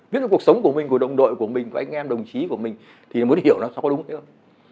biết về cuộc sống của mình của đồng đội của mình của anh em đồng chí của mình thì mới hiểu nó có đúng hay không